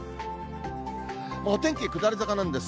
お天気下り坂なんです。